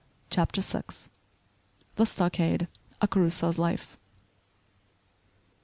*CHAPTER VI.* *The Stockade; A Crusoe's Life.